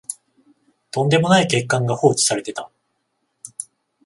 とんでもない欠陥が放置されてた